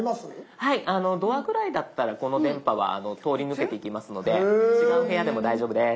はいドアぐらいだったらこの電波は通り抜けていきますので違う部屋でも大丈夫です。